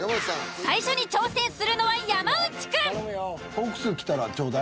最初に挑戦するのは山内くん。頼むよ。